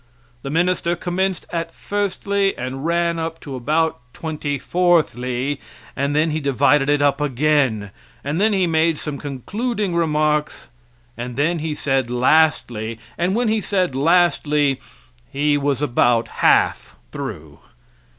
The minister commenced at firstly and ran up to about twenty fourthly, and then he divided it up again; and then he made some concluding remarks, and then he said lastly, and when he said lastly he was about half through.